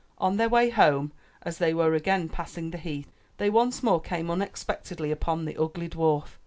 On their way home, as they were again passing the heath, they once more came unexpectedly upon the ugly dwarf.